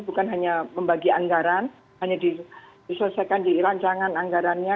bukan hanya membagi anggaran hanya diselesaikan di rancangan anggarannya